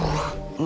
ah hampir siang